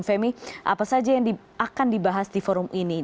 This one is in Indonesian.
femi apa saja yang akan dibahas di forum ini